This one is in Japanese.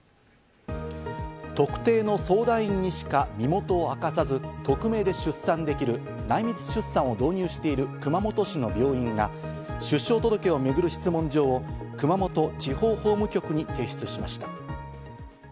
特定の相談員にしか身元を明かさず匿名で出産できる内密出産を導入している熊本市の病院が出生届をめぐる質問状を熊本地方法務局に提出しました。